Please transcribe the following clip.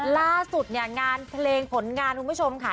ล่าสุดเนี่ยงานเพลงผลงานทุกคนค่ะ